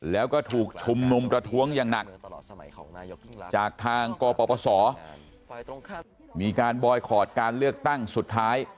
แล้วก็ถูกชุมนุมประท้วงอย่างหนักจากทางกปศมีการบอยคอร์ดการเลือกตั้งสุดท้าย